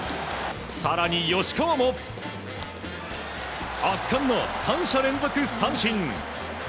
更に吉川も、圧巻の３者連続三振。